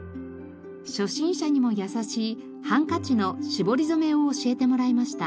初心者にも易しいハンカチの絞り染めを教えてもらいました。